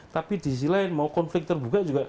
tapi di sisi lain mau konflik terbuka juga